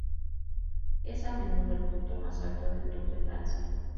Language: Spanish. Es a menudo el punto más alto del Tour de Francia.